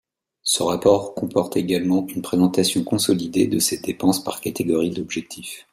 Ce rapport comporte également une présentation consolidée de ces dépenses par catégories d’objectifs.